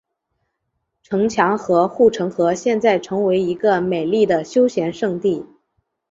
城墙和护城河现在成为一个美丽的休闲胜地。